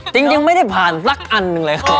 จริงไม่ได้ผ่านสักอันหนึ่งเลยครับ